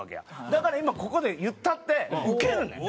だから今ここで言ったってウケるねん！